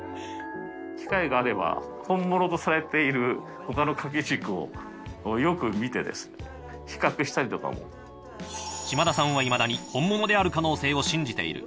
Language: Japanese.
機会があれば、本物とされているほかの掛け軸をよく見てですね、嶋田さんはいまだに、本物である可能性を信じている。